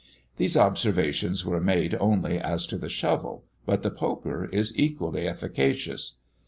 These observations were made only as to the shovel, but the poker is equally efficacious.